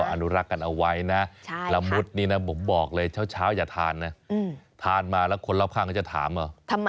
อนุรักษ์กันเอาไว้นะละมุดนี่นะผมบอกเลยเช้าอย่าทานนะทานมาแล้วคนรอบข้างก็จะถามเอา